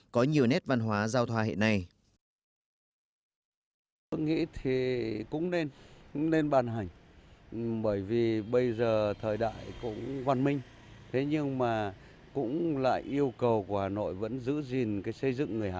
có nhiều nét văn hóa giao thoa hiện nay